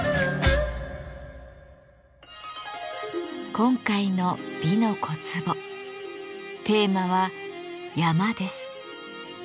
今回の「美の小壺」テーマは「山」です。